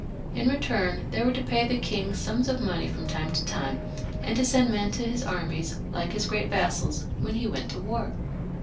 In return, they were to pay the king sums of money from time to time, and to send men to his armies, like his great vassals, when he went to war.